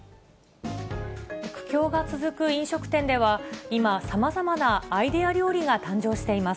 苦境が続く飲食店では、今、さまざまなアイデア料理が誕生しています。